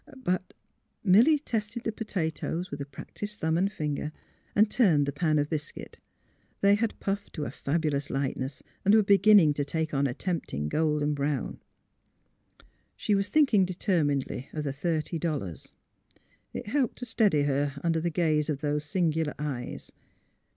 But ..." Milly tested the potatoes with a practised thumb and finger, and turned the pan of biscuit. They had puffed to a fabulous lightness and were begin ning to take on a tempting golden brown. She was thinking determinedly of the thirty dollars. It helped to steady her under the gaze of those singular eyes.